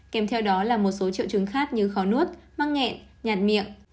kèm theo đó là một số triệu chứng khác như khó nuốt mắc nghẹn nhạt miệng